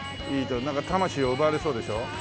なんか魂を奪われそうでしょ。